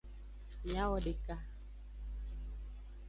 Miawodeka.